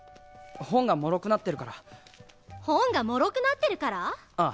本がもろくなってるから「本がもろくなってるから」？